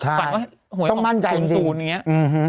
ใช่ต้องมั่นใจจริงแต่ว่าให้หวยออกคุณสูญอย่างนี้